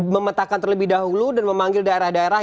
memetakan terlebih dahulu dan memanggil daerah daerah